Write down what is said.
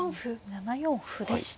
７四歩でした。